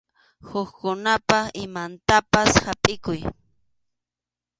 Hukkunapa imantapas hapʼikuy.